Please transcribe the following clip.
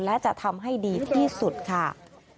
และจะทำให้ดีที่สุดค่ะ